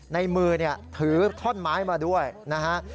ในมือเนี่ยถือท่อนไม้มาด้วยนะฮะ